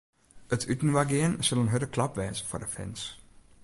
It útinoargean sil in hurde klap wêze foar de fans.